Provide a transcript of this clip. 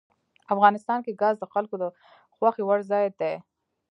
افغانستان کې ګاز د خلکو د خوښې وړ ځای دی.